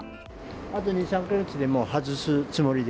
あと２、３か月で外すつもりで。